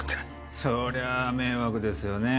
そりゃあ迷惑ですよね。